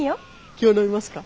今日飲みますか？